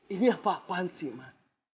ini apaan sih ma